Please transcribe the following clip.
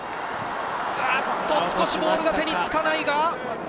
少しボールが手につかないが。